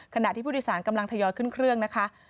ขณะที่ผู้โดยสารกำลังทยอยขึ้นเครื่องนะคะ